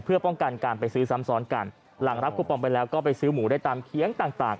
เพื่อป้องกันการไปซื้อซ้ำซ้อนกันหลังรับคูปองไปแล้วก็ไปซื้อหมูได้ตามเคียงต่างต่าง